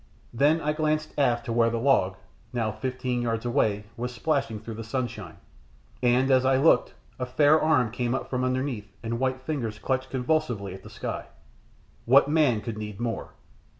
Then I glanced aft to where the log, now fifteen yards away, was splashing through the sunshine, and, as I looked, a fair arm came up from underneath and white fingers clutched convulsively at the sky. What man could need more?